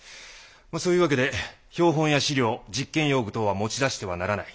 そういうわけで標本や資料実験用具等は持ち出してはならない。